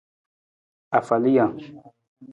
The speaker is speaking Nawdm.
Afalijang.